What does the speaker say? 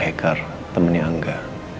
hacker temennya angga